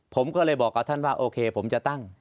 ผมก็เลยบอกกับท่านว่าโอเคผมจะตั้ง